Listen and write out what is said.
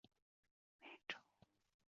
每周五十多版版面。